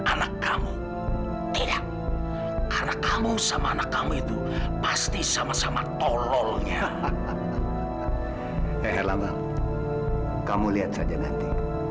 anak kamu tidak karena kamu sama anak kamu itu pasti sama sama tololnya kamu lihat saja nanti